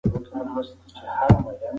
لار د خلکو لپاره پاکه شوه.